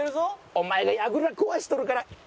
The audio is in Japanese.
お前がやぐら壊しとるから！